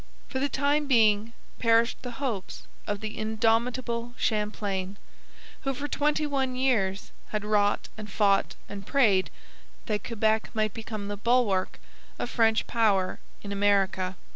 For the time being perished the hopes of the indomitable Champlain, who for twenty one years had wrought and fought and prayed that Quebec might become the bulwark of French power in America.